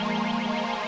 nourishing daya mereka